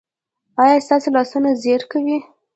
ایا ستاسو لاسونه خیر کوي؟